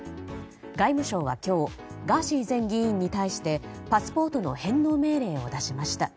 外務省は今日ガーシー前議員に対してパスポートの返納命令を出しました。